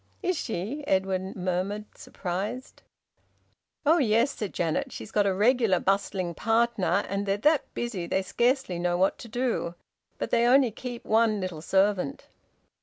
"Is she?" Edwin murmured, surprised. "Oh yes!" said Janet. "She's got a regular bustling partner, and they're that busy they scarcely know what to do. But they only keep one little servant."